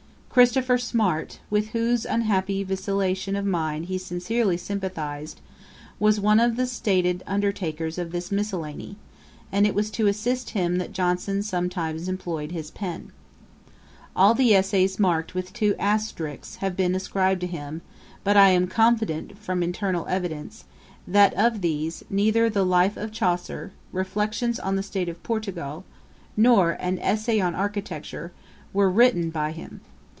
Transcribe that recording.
Christopher Smart, with whose unhappy vacillation of mind he sincerely sympathised, was one of the stated undertakers of this miscellany; and it was to assist him that Johnson sometimes employed his pen. All the essays marked with two asterisks have been ascribed to him; but I am confident, from internal evidence, that of these, neither 'The Life of Chaucer,' 'Reflections on the State of Portugal,' nor an 'Essay on Architecture,' were written by him.